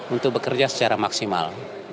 untuk bekerja secara maksimal